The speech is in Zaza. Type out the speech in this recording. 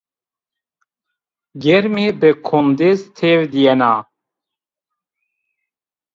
Germî bi kondêz têv dîyena